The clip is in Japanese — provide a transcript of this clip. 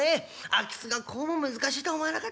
空き巣がこうも難しいとは思わなかった。